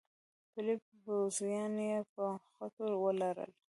پلي پوځیان يې په خټو ولړل.